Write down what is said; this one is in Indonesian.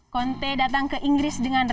conte datang ke inggris dengan remaja